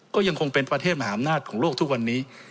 ก็ยังคงเป็นประเทศมหาอำนาจของโลกทุกวันนี้